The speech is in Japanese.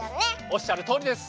おっしゃるとおりです。